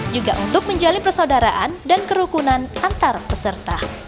juga untuk menjalin persaudaraan dan kerukunan antar peserta